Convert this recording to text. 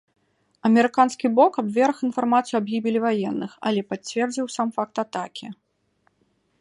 Амерыканскі бок абверг інфармацыю аб гібелі ваенных, але пацвердзіў сам факт атакі.